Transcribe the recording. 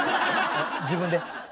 自分で？